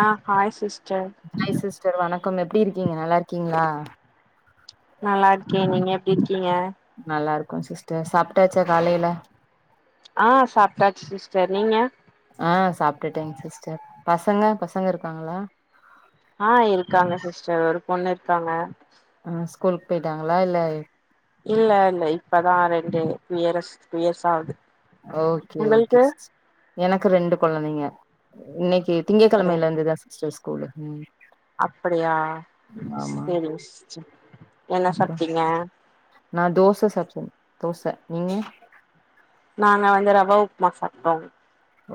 ஆ hi sister hi sister வணக்கம் எப்டி இருக்கீங்க நல்லா இருக்கீங்களா நல்லா இருக்கே நீங்க எப்டி இருக்கீங்க நல்லா இருக்கோ சிஸ்டர் சாப்ட்டாச்சா காலைல ஆ சாப்டாச்சு சிஸ்டர் நீங்க ஆ சாப்டுட்டேங் சிஸ்டர் பசங்க பசங்க இருக்காங்களா ஆஹ் இருக்காங்க சிஸ்டர் ஒரு பொண்ணு இருக்காங்க ம் ஸ்கூலுக்கு போய்ட்டாங்ளா இல்ல இல்ல இல்ல இப்பதா ரெண்டு இயரஸ் இயர்ஸ்ஸா ஆவுது ஓகே ஓகே சிஸ் எனக்கு ரெண்டு குழந்தைங்க இன்னைக்கு ஒரு திங்கக்கெழமைல இருந்து தா சிஸ்டர் ஸ்கூலு அப்டியா ஆமா சேரிங்க சிஸ்டர் என்ன அப்றோ சாப்ட்டீங்க நா தோச சாப்ட தோச நீங்க நாங்க வந்து ரவா உப்மா சாப்ட்டோ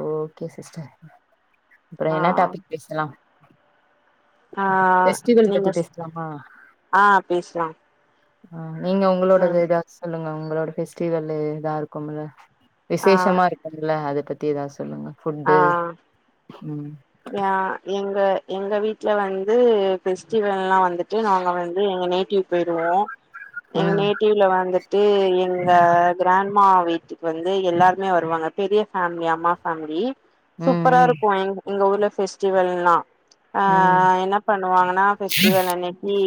ஓகே சிஸ்டர் அப்றோ ஆ என்னா டாபிக் பேசலா ஆ ஃபெஸ்டிவல் பத்தி நீங்க ஸ் பேசலாமா ஆ பேசலா அ நீங்க உங்ளோடது ம் எதாது சொல்லுங்க உங்களோட ஃபெஸ்டிவல்லு எதா இருக்கும்ல ஆ விசேஷமா இருக்கும்ல அத பத்தி ஏதாவது சொல்லுங்க ஃபுட்டு ம் ஏ எங்க எங்க வீட்ல வந்து பெஸ்டிவல்லா வந்துட்டு நாங்க வந் எங்க நேட்டிவ் போய்ருவோ எங்க ம் நேட்டிவ்ல வந்துட் ட்டு எங்க கிராண்ட்மா வீட்டுக்கு வந்து எல்லாருமே வருவாங்க பெரிய ஃபேம்லி அம்மா ஃபேம்லி ம் சூப்பரா ம் இருக்கு எங் எங்க ஊர்ல பெஸ்டிவல்லா ம் அஹ் என்னா பண்ணுவாங்கனா பெஃஸ்டிவல் அன்னக்கி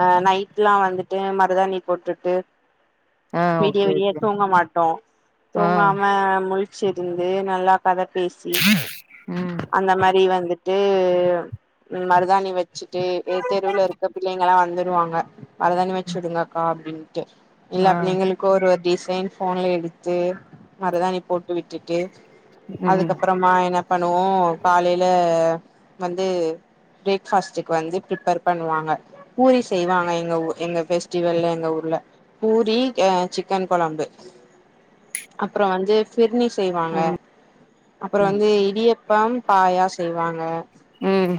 அ நைட்லா வந்துட்டு மருதாணி போட்டுட்டு ஆ விடிய ஓகே விடிய ஓகே தூங்க மாட்டோ ஆ தூங்காம முழி ச்சிருந்து நல்லா கத பேசி ம் அந்த மாரி வந்து ட்டு மருதாணி வச்சுட்டு தெருவுல இருக்க பிள்ளைங்கலா வந்துருவாங்க மருதாணி வச்சு ம். விடுங்காக்கா அப்டின்ட்டு இல்ல ஆ அப்ப நீங்களு கோரு டிசைன் ஃபோன்ல எடுத்து மருதாணி போட்டு விட்டுட்டு ம் அதுக்கப்றமா என்ன பண்ணுவோ காலையில வந்து ப்ரேக் ஃபாஸ்ட்டுக்கு வந்து ப்ரிப்பேர் பண்ணுவாங்க பூரி செய்வாங்க எங்கஊ எங்க ஃபெஸ்டிவல்ல எங்க ஊர்ல பூரி அ சிக்கன் கொழம்பு அப்றோ வந்து ஃபிர்னி செய்வாங்க ம் அப்பறோ வந்து இடியப்பம் பாயா செய்வாங்க ம்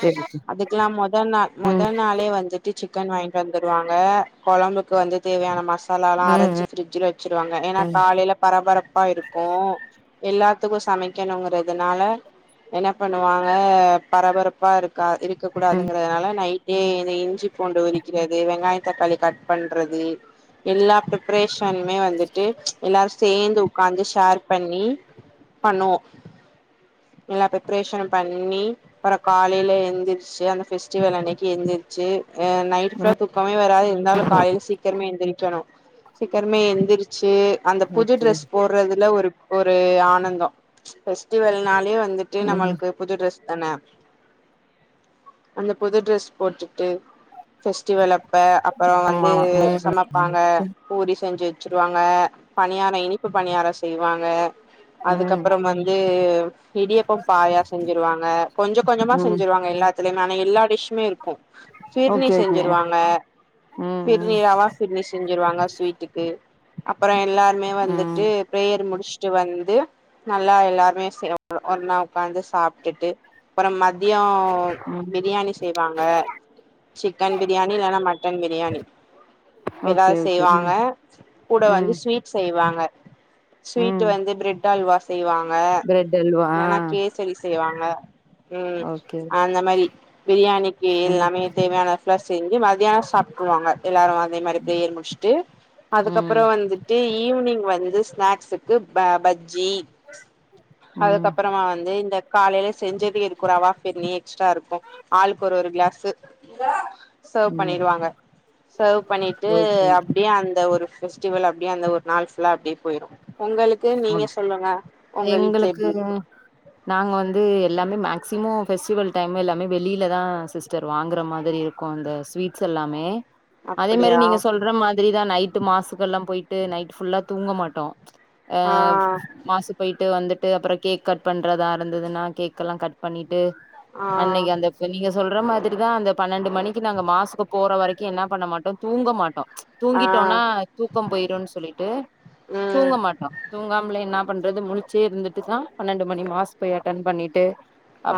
சரி சரி அதுக்லா மொத நாள் ம் மொத நாளே வந்துட் டு சிக்கன் வாங்கிட்டு வந்துருவாங்க கொழம்புக்கு வந்து தேவையான மசாலாலா ம் அரச்சு ம் ஃபிரிட்ஜுல வெச்சிருவாங்க ஏனா காலைல பரபர ப்பா இருக்கு எல்லாத்துக்கு சமைக்கணுங்றதுனால என்ன பண்ணுவாங்க பரபரப்பா இருக்கா இருக்க கூடாதுங்கறதுனால நைட் டே இந்த இஞ்சி பூண்டு உரிக்கிறது வெங்காயோ தக்காளி கட் பண்றது எல்லா பிப்ரேஷனுமே வந்துட்டு எல்லாரு சேந்து உக்காந்து ஷேர் பண்ணி பண்ணுவோ எல்லா ப்ரிப்ரேஷனு பண்ணி அப்றோ காலைல எந்திர்ச்சி அந்த ஃபெஸ்டிவல் அன்னைக்கு எந்திர்ச்சி அ நைட்லா தூக்கமே வராது இருந்தாலு காலைல சீக்கரமே எந்திரிக்கணு சீக்கரமே எந்திருச்சி அந்த புது ஓகே ட்ரஸ் போ ட்றதுல ஒரு ஒரு ஆனந்தோ ஃபெஸ்டிவல்னாலே வந்துட்டு ம் நம்மள்க்கு புது ட்ரஸ் தான அந்த புது ட்ரஸ் போட்டுட்டு ஃபெஸ்டிவல் அப்ப அப்பறோ ஆமா வந்து ம் சமப்பாங்க பூரி செஞ்சு வெச்சிருவாங்க பணியாரோ இனிப்பு பணியாரோ செய்வாங்க ம் அதுக்கப்றம் வந்து இடியப்பம் பாயா செஞ்சிருவாங்க கொஞ்ச கொஞ்சமா ம் செஞ்சிருவா ங்க எல்லாத்துலயுமே ஆனா எல்லா டிஷ்மே இருக்கு ஃபிரினி ஓகே ஓகே ம் செஞ்சிருவாங்க ம் ஃபிரினி ரவா ஃபிர்னி செஞ்சிருவாங்க ஸ்வீட்டுக்கு அப்பறோ எல்லார்மே ம் வந்துட்டு பிரேயர் முடிஸ்ட்டு வந்து நல்லா எல்லார்மே சேந்து ஒன்னா உக்காந்து சாப்ட்டுட்டு அப்றோ மதியோ ம் பிரியாணி செய்வாங்க சிக்கன் பிரியாணி இல்லனா மட்டன் பிரியாணி ஓகே எதாவ்து ஓகே செய்வாங்க ம் கூட வந்து ம் ஸ்வீட் செய்வாங்க ஸ்வீட்டு ம் வந்து ப்ரெட் அல்வா செய்வாங்க பிரெட் அல்வா ஆ இல்லனா கே சரி செய்வாங்க ம் ஓகே அந்த மாரி பிரியாணிக்கு ம் எல்லாமே தேவையான எல்லா செஞ்சு மத்யானோ சாப்ட்டுக்குவாங்க எல்லாரு அதே மாரி பிரேயர் முடிஸ்ட்டு ம் அதுக்கப்பறோ வந்துட் டு ஈவ்னிங் வந்து ஸ்நாக்ஸுக்கு ப பஜ்ஜி ம் அதுக்கப்பறமா வந்து இந்த காலைலே செஞ்சு ரவா ஃபிர்னி எக்ஸ்ட்ரா இருக்கு ஆளுக்கு ஒரு ஒரு கிளாஸு சர்வ் ம் பண்ணீர்வாங்க சர்வ் பண்ணீட்டு ஓகே ஓகே அப்டியே அந்த ஒரு ஃபெஸ்டிவல் அப்டியே அந்த ஒரு நாள் ஃபுல்லா அப்டியே போயிரு உங்களுக்கு நீங்க முடிஞ் சொல்லுங்க உங்க வீட்ல எப்டி எங்களுக்கு இருக்கு நாங்க வந்து எல்லாமே மேக்சிமோ ஃபெஸ்டிவல் டைமு எல்லாமே வெளில தா சிஸ்டர் வாங்குற மாதிரி இரு க்கு இந்த ஸ்வீட்ஸ் எல்லாமே அதே மாரி அப்டியா நீங்க சொல்ற மாதிரிதா நைட்டு மாஸுக்கெல்லா போய்ட்டு நைட்டு ஃபுல்லா தூங்க மாட்டோ அ ஆ மாஸுக் போய்ட்டு வந்துட்டு அப்பறோ கேக் கட் பண்றதா இருந்துதுனா கேக் எல்லா கட் பண்ணிட்டு ஆ அன்னைக்கு அந்த ஃப் நீங்க சொல்ற மாதிரிதா அந்த பன்னெண்டு மணிக்கு நாங்க மாஸுக்கு போற வரைக்கு என்ன பண்ண மாட்டோ தூங்க மாட்டோ தூங்கிட்டோன்னா ஆ தூக்கம் போய்ருன் சொல்லிட்டு ம் தூங்க மாட்டோ தூங்காம்லே என்னா பண்றது முழிச்சே இருந்துட்டுதா பன்னெண்டு மணி மாஸ் போய் அட்டன் பண்ணிட்டு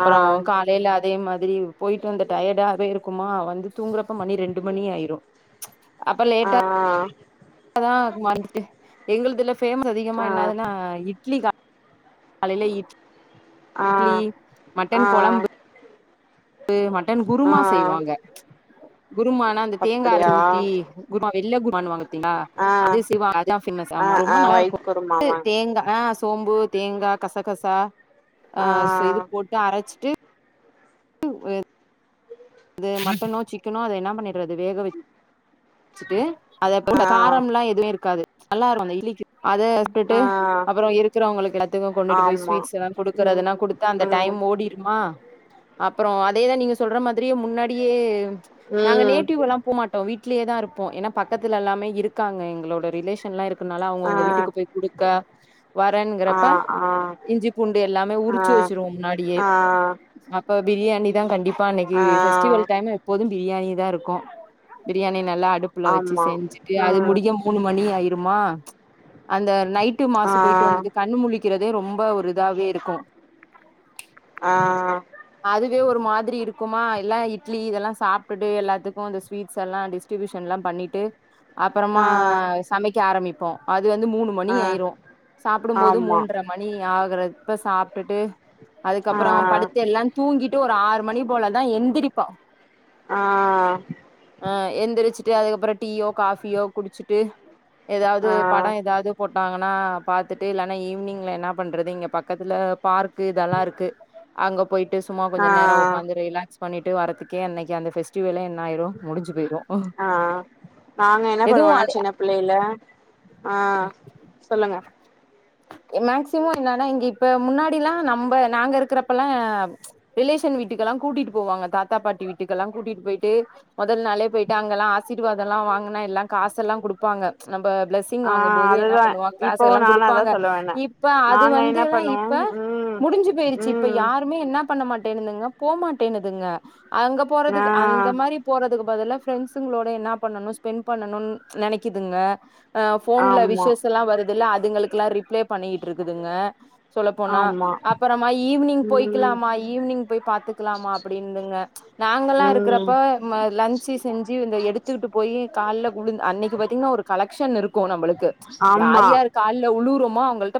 ஆ காலைல அதே மாதிரி போய்ட்டு வந்த டயடாவே இருக்குமா வந்து தூங்கறப்போ மணி ரெண்டு மணி ஆய்ரு அப்ப ஆ லேட்டா அங்க மார்னிங் முடிச்சிட்டு எங்களதுல ஃபேமஸ் அதிகமா ஆ என்னதுனா இட்லிதா காலைல இட்லி ஆ ஆ மட்டன் கொழம்பு கு மட்டன் ஆ குருமா செய்வாங்க குருமானா அந்த தேங்கா அப்டியா அரச்சு ஊத்தி குருமா வெள்ள குருமானுவாங்க ஆ அது [inaudible] ஆ ஆ ரொம்ப நல்லாருக்கு ஒயிட் குருமாவா தேங்கா அ சோம்பு தேங்கா கசகசா அ ச ஆ இது போட்டு அரைச்சிட்டு [inaudible] அது மட்டனோ சிக்கனோ அத என்ன பண்ணிட்றது வேக வச் வச்சுட்டு ஆ அத காரம்லா எதுமே இருக்காது நல்லாருக்கு அந்த இட்லிக்கு அத ட்டுட்டு ஆ அப்பறோ இருக்கிறவங்களுக்கு எல்லாத்துக்கு கொண்டுட்டு போய் ஆமா ஸ்வீட்ஸ் எல்லா குடுக்கறதுனா ம் குடுத்து அந்த டைம் ம் ஓடி ம்மா அப்றோ அதேதா நீங்க சொல்ற மாதிரியே முன்னாடியே நாங்க ம் நேட்டிவ் எல்லா போமாட்டோ வீட்லே தா இருப்போ ஏனா பக்கத்துல எல்லாமே இருக்காங்க எங்ளோட ரிலேஷன்லா இருக் னால அவுங்க ஆ அவுங்க வீட்டுக்கு போய் குடுக்க ஆ வரங்கிறப்ப ஆ இஞ்சி பூண்டு எல்லாமே ஆ உரிச்சு வச்சிருவோ முன்னாடியே ஆ அப்ப பிரியாணி தா கண்டிப்பா அன்னைக்கு ஆ ஃபெஸ்டிவல் டைம்ல எப்போது பிரியாணி தா இருக்கு பிரியாணி நல்லா அடுப்புல வச்சு ஆமா செஞ்சுட்டு அது ம் முடிக் மூணு மணி ஆயிருமா அந்த நைட்டு ஆ மாஸ்சு போயிட்டு வந்துட்டு கண்ணு முழி க்கிறதே ரொம்ப ஒரு இதாவே இருக்கு ஆ அதுவே ஒரு மாதிரி இருக்குமா எல்லா இட்லி இதெல்லா சாப்ட்டுட்டு எல்லாத்துக்கு அந்த ஸ்வீட்ஸ் எல்லா டிஸ் ட்ரிபூஷன்லா பண்ணிட்டு அப்பறமா ஆ சமைக்க ஆரம்பிப்போ அது வந்து மூணு மணி ஆ ஆயிரு சாப்டம்போது ஆமா மூன்ற மணி ஆகறப்ப சாப்ட்டுட்டு ஆ அதுக்கப்றோ படுத்து எல்லா தூங்கிட்டு ஒரு ஆறு மணி போலதா எந்திரிப்போ ஆ ஆ எந்திரிச்சிட்டு அதுக்கப்றோ டீயோ காஃபியோ குடிச்சிட்டு எதாவது ஆ ஆ படோ எதாவது போட்டாங்கன்னா பாத்துட்டு இல்லனா ஈவினிங்ல என்ன பண்றது இங்க பக்கத்துல பார்க் இதல்லா இருக்கு அங்க போயிட்டு சும்மா கொஞ்ச நேரோ ஒக்காந்து ரிலாக்ஸ் பண்ணிட்டு வரத்துக்கே அன்னைக்கு அந்த ஃபெஸ்ட்டிவெல்லே என்ன ஆயிரு முடிஞ்சு போயிரு ஆ ஆ நாங்க என்ன பண்ணுவோனா அ சின்ன பிள்ளைல ஆ சொல்லுங்க ஏ மேக்சிமம் என்னன்னா இங்க இப்ப முன்னாடிலா நம்ப நாங்க இருக்கிறப்பலா ரிலேஷன் வீட்டுக்கெல்லா கூட்டிட் போவாங்க தா பாட்டி வீட்டுக்கெல்லா கூட்டிட் போயிட்டு மொதல் நாளே பேயிட்டு அங்கலா ஆசீர்வாதலா வாங்குனா எல்லா காசலா குடுப்பாங்க நம்ப ப்ளஸ் சிங் ஆ வாங்கம்போது என்ன அதுதா பண்ணுவாங்க இப்பவு காசெல்லா நானு அதா குடுப்பாங்க சொல்ல வந்தே இப்ப அது நாங்க என்ன வந்துலா பண்ணுவோ இப்ப ம் முடிஞ்சு பேயிருச்சு இப்ப ம் யார் ருமே என்னா பண்ண மாட்டன்னுதுங்க போ மாட்டேன்னுதுங்க அங்க ஆ போறதுக்கு அந்த மாரி போறதுக்கு பதிலா ஃப்ரெண்ட்ஸுங்களோட என்னா பண்ணணு ஸ்பென் பண்ணணுன் நெனைக்குதுங்க அ ஃபோன்ல ஆமா விஷ்சஸ்லா வருதுல அதுங்களுக்குலா ரிப்ளை பண்ணிக்கிட்டு இருக்குதுங்க சொல்ல போனா ஆமா அப்பறமா ஈவினிங் ம் போய்க்கலாமா ஈவினிங் போய் பாத்துக்கலாமா அப்டின்னுதுங்க நாங்கலா இருக்குறப்ப ம் அ ம லன்ஞ்சு செஞ்சு இந்த எடுத்துக்கிட்டு போயி கால்ல உளுந் அன்னைக்கு பாத்தீங்கனா ஒரு கலக் க்க்ஷன் இருக்கு நம்புளுக்கு ஆமா யார் யார் கால்ல உழுவுரோமோ அவங்கள்ட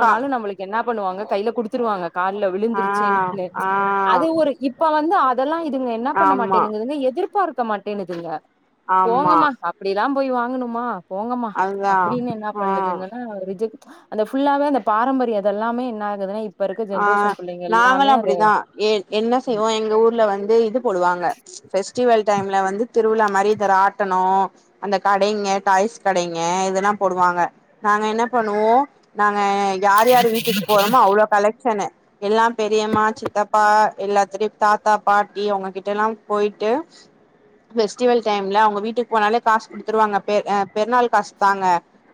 கா நம்முளுக்கு என்ன பண்ணுவாங்க கைல குடுத்துருவாங்க கால்ல ஆ விழுந்துருச்சேன்னு ஆ அது ஒரு இப் இப்ப வந்து அதலா இதுங்க என்ன பண்ண ஆமா மாட்டேன்னுதுங்க எதிர்பாக்க மாட்டேன்னுதுங்க ஆமா போங்கமா அப்டிலா போய் வாங்கணுமா போங்கமா அதா அப்டின்னு என்ன ஆ பண்ணுதுங்கனா ரிஜெக்ட் அந்த ஃபுல்லாவே அந்த பாரம்பரியோ அது எல்லாமே என்ன ஆகுதுனா இப்ப இருக் ஆ நாங்களு அப்டிதா ஏ என்ன செய்வோ எங்க ஊர்ல வந்து இது போடுவாங்க ஃபெஸ்டிவல் டைம்ல வந்து திருவிழா மாரி இந்த ராட்டனோ அந்த கடைங்க டாய்ஸ் கடைங்க இதெல்லா போடுவாங்க நாங்க என்ன பண்ணுவோ நாங்க யார் யாரு வீட்டுக்கு போறோமோ அவ்ளோ கலெக்க்ஷனு எல்லா பெரியம்மா சித்தப்பா எல்லாத்துட்டியு தாத்தா பாட்டி அவங்ககிட்டலாம் போயிட்டு ஃபெஸ்டிவல் டைம்ல அவங்க வீட்டுக்கு போனாலே காசு குடுத்துருவாங்க பெ பெருநாள் காசு தாங்க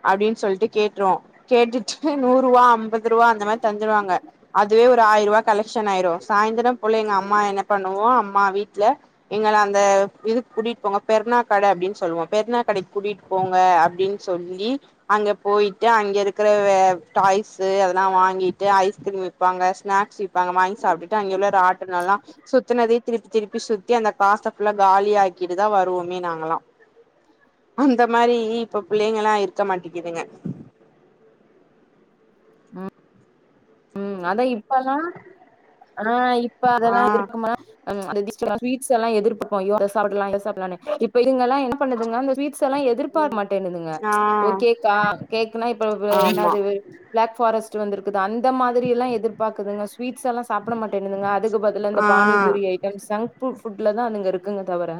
அப்படின் சொல்ட்டு கேட்ருவோ கேட்டுட்டு நூறுவா ஐம்பது ரூவா அந்த மாரி தந்துருவாங்க அதுவே ஒரு ஆயிரூபா கலெக்க்ஷன் ஆயிரு சாய்ந்திரம் போல எங்க அம்மா என்ன பண்ணுவோ அம்மா வீட்ல எங்கள அந்த இதுக்கு கூட்டிட்டு போங்க பெருனாக்கட அப்டினு சொல்லுவோ பெருனாக்கடைக்கு கூட்டிட்டு போங்க அப்டின் சொல்லி அங்க போயிட்டு அங்க இருக்கிற டாய்ஸ் அதெல்லா வாங்கிட்டு ஐஸ் திரும்பி விப்பாங்க ஸ்நாக்ஸ் விப்பாங்க வாங்கி சாப்டுட்டு அங்கே உள்ள ராட்டின எல்லா சுத்தினதயே திருப்பி திருப்பி சுத்தி அந்த காச ஃபுல்லா காலி ஆக்கிட்டு தா வருவோமே நாங்கல்லா அந்த மாரி இப்ப புள்ளைங்கெல்லா இருக்க மாட்டேங்கிதுங்க ம் அதா இப்பல்லா ஆ இப்ப அதெல்லா ஆ எதிர்கமா அந்த சுவீட்ஸ் எல்லா எதிர்பாப்போ அய்யோ அத சாப்பிலா இத சாப்பிலானு இப்ப இதுங்க எல்லா என் பண்ணதுங்க அந்த சுவிட்ஸ் எல்லா எதிர்பாக்க மாட்டேனுதுங்க ஓ ஆ கேக்கா கேக்குனா இப்ப ஆமா என்னது பிளாக் ஃபாரஸ்ட் வந்துருக்குது அந்த மாதிரி எல்லா எதிர்பாக்குதுங்க சுவிட்ஸ் எல்லா சா சாப்ட மாட்டேன்னுதுங்க அதுக்கு பதிலா இந்த ஆ பானிபூரி ஐடம்ஸ் ஜங்க் ஃபுட்ல தா அதுங்க இருக்குங்க தவிர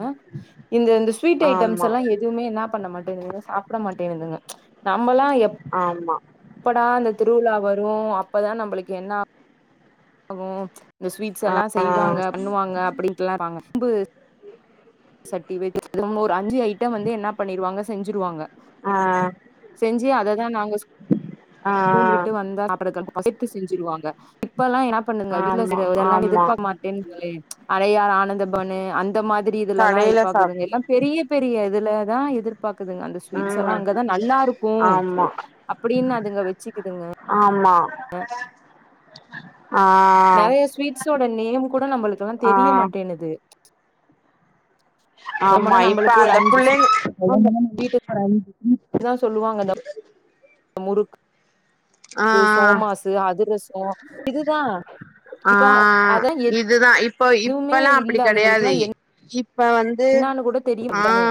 இந்த இந்த ஸ்வீட் ஐட்டம்ஸ் ஆமா எல்லாம் எதுவுமே என்ன பண்ண மாட்டேங்துங்க சாப்ட மாட் ந்துங்க நம்மெல்லா ஆமா எப்படா அந்த திருவிழா வரு அப் பதா நம்பளுக்கு என்ன ஆகு கு இந்த ஸ்வீட்ஸ் எல்லா ஆ செய்வாங்க பண்ணுவாங்க அப்டின்ட்டுல்லா இருப்பாங்க அம்பு சட்டி வெஜ் ஒரு அஞ்சு ஐடம் வந்து என்ன பண்ணிருவாங்க செஞ்சுருவாங்க ஆ செஞ்சு அததா நாங்க ஸ் ஆ ஸ்கூல் விட் வந்தா சாப்புறகெல்லா பசித்து செஞ்சிருவாங்க இப்ப எல்லாப் பண்ணுங்க வீட்ல ஆமா செய்யறதெல்லா ஆமா எதிர்பாக்க மாட்டேன்துங்க அடையார் ஆனந்தபவனு அந்த மாதிரி இதுலல்லா இரு கடையில சாப் பாக்குதுங்க எல்லா பெரிய பெரிய இதுலதா எதிர்ப் பாக்குதுங்க அந்த ஸ்வீட்ஸ் எல்லா ம் அங்கதா நல்லாருக்கு ஆமா அப்டின் அதுங்க வச்சுக்கிதுங்க ஆமா ஆ நெறையா ஸ்வீட்ஸோட நேம் கூட நம்மளுக்கு லா ஆ தெரிய மாட்டேனுது ஆமா சொல்லப்போனா இப்ப நம்மளுக்கு ஒரு அந்த அஞ்சு புள்ளைங் அதா சொல்லுவாங்க இந்த ஆ முறுக்கு ஆ சோமாசு அதிரச சோ இதுதா ஆ இப்ப அதா எ இதுதா இப்ப இப்பல்லா அப்டி கெடயாது இப்ப வந் அது என்னான்னு கூட தெரிய ஆ எல்லாமே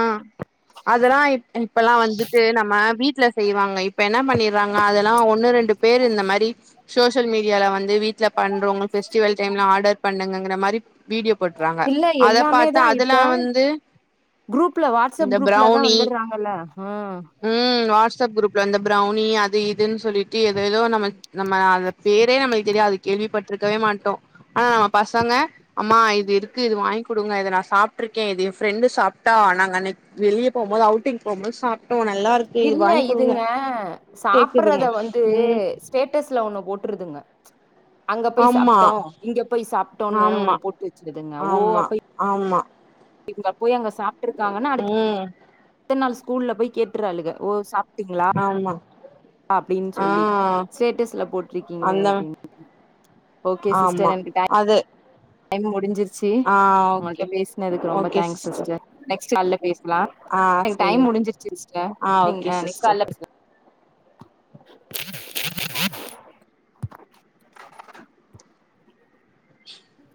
அதெலா இ இப்பல்லா வந்துட்டு நம்ம வீட்ல செய்வாங்க இப் ப்ப என்ன பண்ணீறாங்க அதெல்லா ஒண்ணு ரெண்டு பேரு இந்த மாரி சோசியல் மீடியால வந்து வீட்ல பண்றவங்க ஃபெஸ்டிவல் டைம்ல ஆடர் பண்ணுங்கங்கற மாரி வீடியோ போட்றாங்க இல்ல அத எல்லாமே பாத்து தா இப்ப அதுலா வந்து குரூப்ல வாட்ஸ்அப் இந்த குரூப்ல தா ப்ரௌனி வந்துறாங்கல்ல ம் ம் வாட்ஸ்அப் குரூப்ல இந்த ப்ரவ்னி அது இதுன் சொல்லிட்டு ஏதேதோ நம்ம நம்ம அத பேரே நம்மளுக்கு தெரியாது கேள்விப்பட்ருக்கவே மாட்டோ ஆனா நம்ம பசங்க அம்மா இது இருக்கு இது வாங்கி குடுங்க இத நா சாப் டுருக்கே இது எ ஃப்ரெண்டு சாப்ட்டா நாங்க அன்னைக் வெளிய போம்போது அவுட்டிங் போம்போது சாப்ட்டோ நல்லா இருக் இல்ல இதுங்க கேக்குதுங்க சாப்பறத வந்து ம் ஸ்டேட்டஸ்ல ஒண்ணு போட்டுருதுங்க அங்க போய் ஆமா சாப்ட்டோ இங்க போய் சாப்ட்டோனு வேற ஒன்னு ஆமா போட் வெச்சிடுதுங் ஆமா ஆமா இவுங்க போய் அங்க சாப்ட்ருக்காங்கன்னா அடுத் ம் த நாள் ஸ்கூல்ல போய் கேட்டுராளுங்க ஓ சாப்டிங்களா ஆமா அப்டின்னு ஆ சொல்லி ஸ்டேட்டஸ்ல போட்ருக்கீங்களே அந்த அப்டின்னு ஓகே ஆமா சிஸ்டர் எனக்கு டை அது டைம் முடிஞ்சிருச்சி ஆ உங்கள்ட்ட ஓகே பேசுனதுக்கு ரொம்ப தேங்க்ஸ் சிஸ்டர் நெக்ஸ்ட் கால்ல பேஸ் லா ஆ எனக்கு டைம் சேரிங் முடிஞ்சிருச்சு சிஸ்டர் ஆ நீங் ஓகே அ நெக்ஸ்ட் சிஸ்டர் கால்ல [unintelligible] [inaudible]